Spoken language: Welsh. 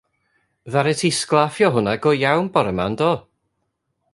Ddaru ti sglaffio hwnna go iawn bore 'ma on'd do?